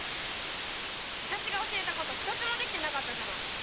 わたしが教えたこと一つもできてなかったじゃない。